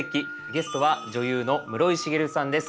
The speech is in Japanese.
ゲストは女優の室井滋さんです。